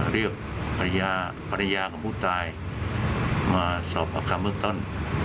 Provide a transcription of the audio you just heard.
เรียกภรรยาของผู้ตายมาสอบปากคำเมื่อก่อน